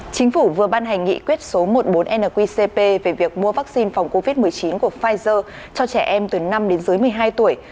chính phủ vừa ban hành nghị quyết số một mươi bốn nqcp về việc mua vaccine phòng covid một mươi chín của pfizer cho trẻ em từ năm đến dưới một mươi hai tuổi